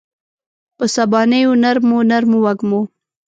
په سبانیو نرمو، نرمو وږمو